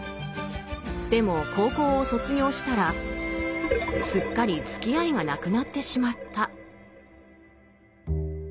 でも高校を卒業したらすっかりつきあいがなくなってしまった。